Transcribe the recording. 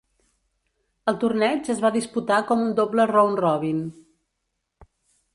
El torneig es va disputar com un doble round-robin.